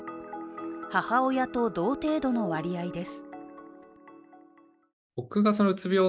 母親と同程度の割合です。